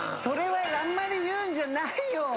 それはあんまり言うんじゃないよ！